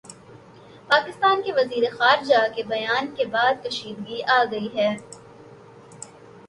پاکستان کے وزیر خارجہ کے بیان کے بعد کشیدگی آگئی ہے